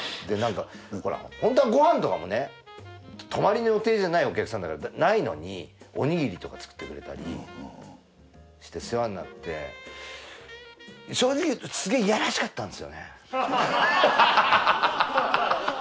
でなんかほらホントはごはんとかもね泊まりの予定じゃないお客さんだからないのにおにぎりとか作ってくれたりして世話になって正直言うとすげぇいやらしかったんですよ。